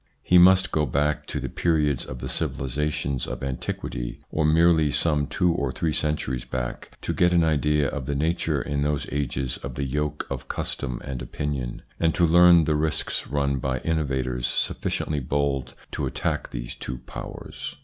He must go back to the ' periods of the civilisations of antiquity, or merely some two or three centuries back, to get an idea of the nature in those ages of the yoke of custom and opinion, and to learn the risks run by innovators sufficiently bold to attack these two powers.